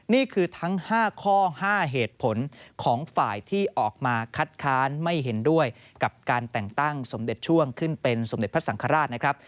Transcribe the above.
นี่คือทั้ง๕ข้อ๕เหตุผลของฝ่ายที่ออกมาคัดค้านไม่เห็นด้วยกับการแต่งตั้งสมเด็จช่วงขึ้นเป็นสมเด็จพระสังฆราชนะครับ